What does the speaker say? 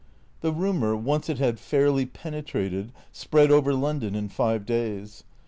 The rumour, once it had fairly penetrated, spread over London in five days.